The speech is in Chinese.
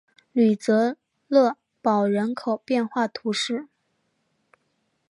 吕泽勒堡人口变化图示